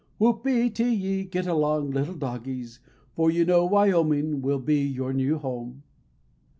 Whoopee ti yi, git along, little dogies; For you know Wyoming will be your new home.